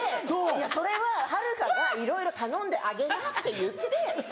それははるかがいろいろ頼んであげなって言って。